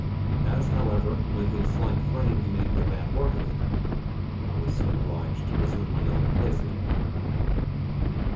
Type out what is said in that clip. As however with his slight frame he made but bad work of it, I was soon obliged to resume my old place again.